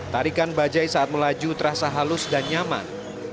tarikan bajai saat melaju terasa halus dan nyaman